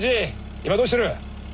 今どうしてる？